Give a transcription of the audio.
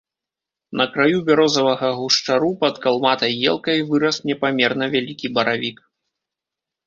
На краю бярозавага гушчару, пад калматай елкай, вырас непамерна вялікі баравік.